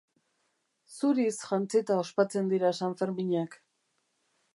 Zuriz jantzita ospatzen dira Sanferminak.